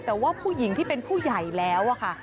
แต่ว่าผู้หญิงที่เป็นผู้ใหญ่แล้วค่ะ